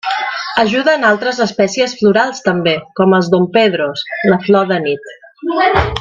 Ajuden altres espècies florals també, com els dompedros, la flor de nit.